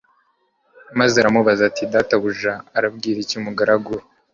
maze aramubaza ati databuja arabwira iki umugaragu we